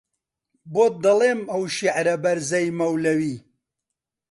بۆت دەڵێم ئەو شێعرە بەرزەی مەولەوی